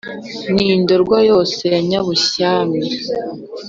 N'i Ndorwa yose ya Nyabushyami